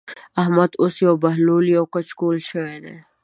احمد اوس يو بهلول يو کچکول شوی دی.